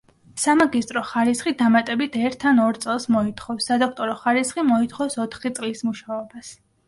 სამაგისტრო ხარისხი დამატებით ერთ ან ორ წელს მოითხოვს; სადოქტორო ხარისხი მოითხოვს ოთხი წლის მუშაობას.